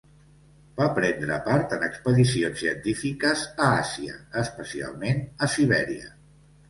Va prendre part en expedicions científiques a Àsia, especialment a Sibèria.